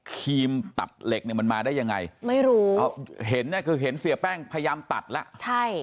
ครีมตัดเหล็กเนี่ยมันมาได้ยังไงไม่รู้เห็นเนี่ยคือเห็นเสียแป้งพยายามตัดแล้วใช่